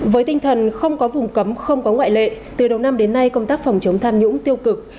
với tinh thần không có vùng cấm không có ngoại lệ từ đầu năm đến nay công tác phòng chống tham nhũng tiêu cực